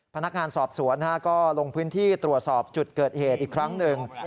พนักงานสอบสวนก็ลงพื้นที่ตรวจสอบจุดเกิดเหตุอีกครั้งหนึ่ง